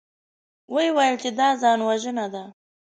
ويې ويل چې دا ځانوژنه ده.